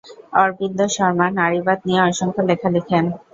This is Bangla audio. অরবিন্দ শর্মা নারীবাদ নিয়ে অসংখ্য লেখা লিখেন।